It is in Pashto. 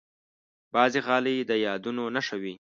بعضې غالۍ د یادونو نښه وي.